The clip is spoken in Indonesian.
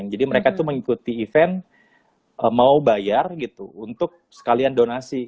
jadi mereka tuh mengikuti event mau bayar gitu untuk sekalian donasi